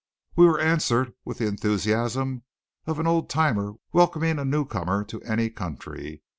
We were answered with the enthusiasm of an old timer welcoming a newcomer to any country.